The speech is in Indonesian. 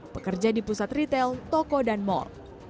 pekerja di pusat ritel toko dan mall